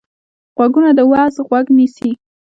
غوږونه د وعظ غوږ نیسي